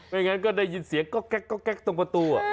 ไม่งั้นก็ได้ยินเสียงก็แก๊กตรงประตู